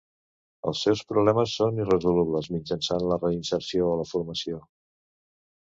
Els seus problemes són irresolubles mitjançant la reinserció o la formació.